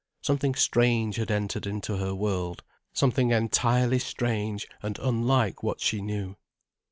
Something strange had entered into her world, something entirely strange and unlike what she knew.